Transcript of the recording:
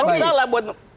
bisa lah buat